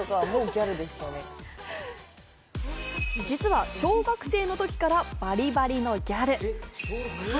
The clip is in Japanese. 実は小学生の時からバリバリのギャル。